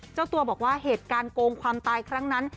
เจ้าตัวบอกว่าเหตุการณ์โกงความตายครั้งนั้น